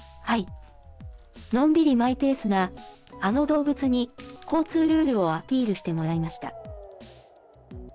のんびりマイペースなあの動物に、交通ルールをアピールしてもらいました。